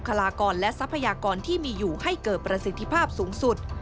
ซึ่งกลางปีนี้ผลการประเมินการทำงานขององค์การมหาชนปี๒ประสิทธิภาพสูงสุด